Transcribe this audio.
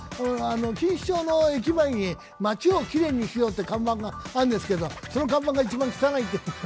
錦糸町の駅前に「街をきれいにしよう」って看板があるんですけれども、その看板が一番汚いっていう。